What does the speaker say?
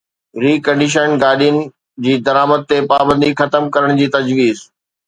reconditioned گاڏين جي درآمد تي پابندي ختم ڪرڻ جي تجويز